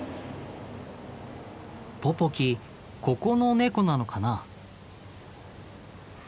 ポポキここのネコなのかな？